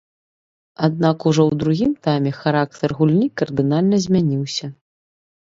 Аднак ужо ў другім тайме характар гульні кардынальна змяніўся.